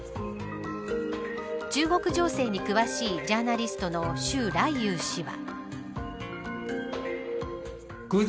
中国情勢に詳しいジャーナリストの周来友氏は。